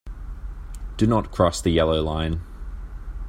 Do not cross the yellow line.